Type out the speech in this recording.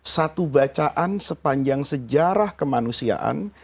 satu bacaan sepanjang sejarah kemanusiaan